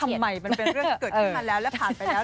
พูดทำไมมันเป็นเรื่องเกิดขึ้นมาแล้วและผ่านไปแล้ว